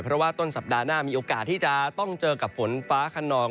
เพราะว่าต้นสัปดาห์หน้ามีโอกาสที่จะต้องเจอกับฝนฟ้าขนอง